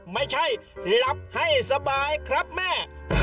ไม่ใช่หลับให้สบายครับแม่